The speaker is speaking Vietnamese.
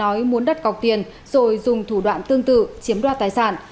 nói muốn đắt cọc tiền rồi dùng thủ đoạn tương tự chiếm đoạt tài sản